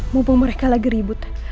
mumpung mereka lagi ribut